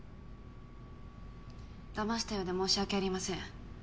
騙したようで申し訳ありません。